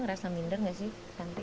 ngerasa minder gak sih cantik